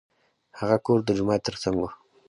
هغه کور د جومات تر څنګ و.